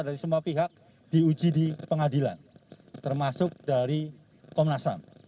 dari semua pihak diuji di pengadilan termasuk dari komnas ham